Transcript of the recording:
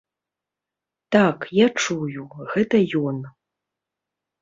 Так, я чую, гэта ён.